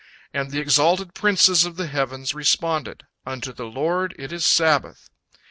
and the exalted princes of the heavens responded, "Unto the Lord it is Sabbath!"